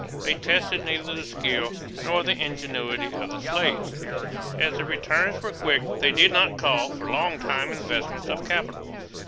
They tested neither the skill nor the ingenuity of the slaves. As the returns were quick, they did not call for long time investments of capital.